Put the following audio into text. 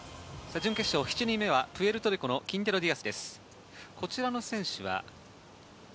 準決勝７人目はプエルトリコのキンテロ・ディアスです。